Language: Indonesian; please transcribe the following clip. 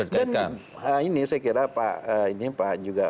dan ini saya kira